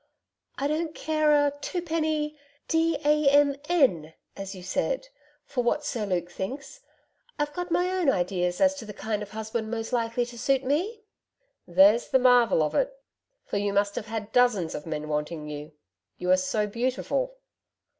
'I don't care a twopenny d a m n as you said for what Sir Luke thinks. I've got my own ideas as to the kind of husband most likely to suit me.' 'There's the marvel of it. For you must have had dozens of men wanting you. You are so beautiful.'